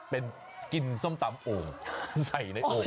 เป็นกินส้มตำโอ่งใส่ในโอ่ง